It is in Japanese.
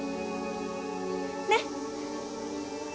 ねっ。